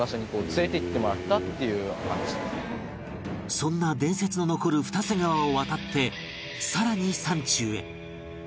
そんな伝説の残る二瀬川を渡って更に山中へ